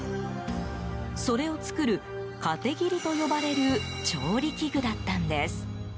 それを作る、かて切りと呼ばれる調理器具だったんです。